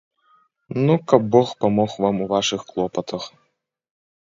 Ну, каб бог памог вам у вашых клопатах!